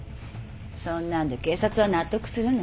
そんなんで警察は納得するの？